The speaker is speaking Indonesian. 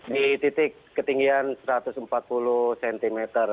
di titik ketinggian satu ratus empat puluh cm